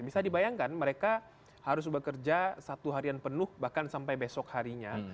bisa dibayangkan mereka harus bekerja satu harian penuh bahkan sampai besok harinya